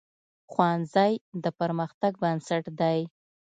ښوونځی د پرمختګ بنسټ دی